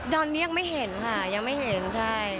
ตอนนี้ยังไม่เห็นค่ะยังไม่เห็นใช่